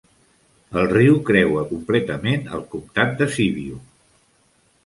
El riu creua completament el comtat de Sibiu.